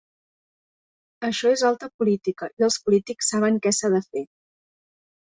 Això és alta política i els polítics saben què s’ha de fer.